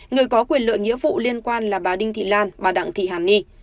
người có quyền lợi nghĩa vụ liên quan là bà đinh thị lan bà đặng thị hàn ni